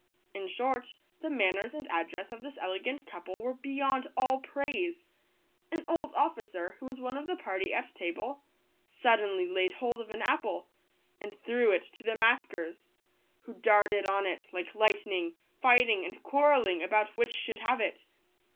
In short, the manners and address of this elegant couple were beyond all praise. An old officer, who was one of the party at table, suddenly laid hold of an apple, and threw it to the maskers, who darted on it like lightning, fighting and quarrelling about which should have it.